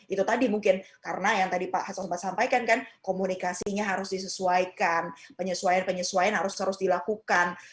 itu tadi mungkin karena yang tadi pak hasto sempat sampaikan kan komunikasinya harus disesuaikan penyesuaian penyesuaian harus terus dilakukan